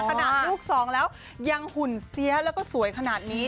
ลูกสองแล้วยังหุ่นเสียแล้วก็สวยขนาดนี้